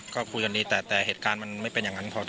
ก็คุยกันดีแต่เหตุการณ์มันไม่เป็นอย่างนั้น